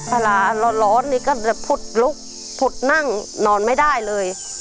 เวลาร้อนนี่ก็จะผุดลุกผุดนั่งนอนไม่ได้เลย